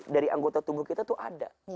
dari anggota tubuh kita tuh ada